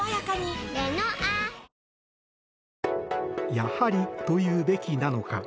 やはりと言うべきなのか。